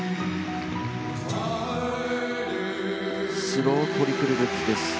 スロートリプルルッツです。